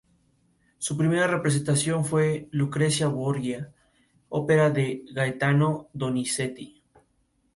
Su primera representación fue Lucrecia Borgia, ópera de Gaetano Donizetti.